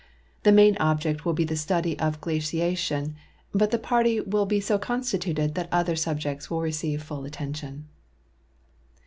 The main object will be the study of glaciation, but the party will be so constituted that other subjects will receive full attention.